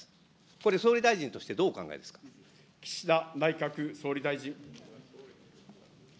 これ、総理大臣としてどうお考え岸田内閣総理大臣。